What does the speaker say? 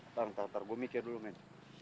ntar ntar ntar gua mikir dulu men